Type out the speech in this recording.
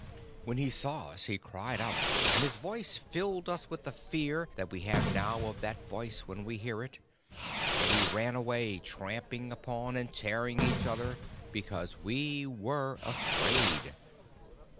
When he saw us he cried out, and his voice filled us with the fear that we have now of that voice when we hear it, and we ran away, tramping upon and tearing each other because we were afraid.